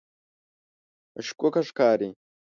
مشکوکه ښکاري.